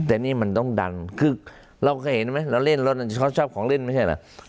แต่นี่มันต้องดันคือเราเคยเห็นไหมเราเล่นรถเขาชอบของเล่นไม่ใช่เหรอ